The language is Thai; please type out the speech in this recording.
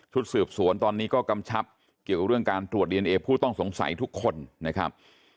สืบสวนตอนนี้ก็กำชับเกี่ยวกับเรื่องการตรวจดีเอนเอผู้ต้องสงสัยทุกคนนะครับ